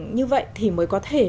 như vậy thì mới có thể